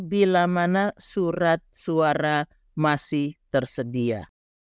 bila mana surat suara masih tersedia